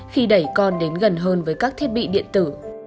khi đẩy con đến gần hơn với các thiết bị điện tử